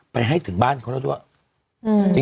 มาให้ถึงบ้านเขาได้ด้วย